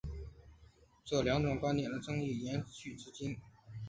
这两种观点的争议延续至今。